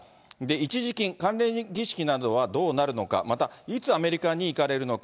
一時金、関連儀式などはどうなるのか、また、いつアメリカに行かれるのか。